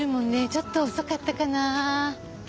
ちょっと遅かったかなぁ。